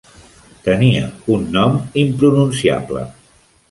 Tenia un nom impronunciable.